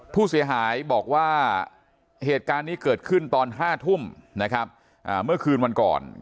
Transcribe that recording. ผู้เสียหายบอกว่าเหตุการณ์นี้เกิดขึ้นตอน๕ทุ่มนะครับเมื่อคืนวันก่อน